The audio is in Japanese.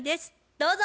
どうぞ。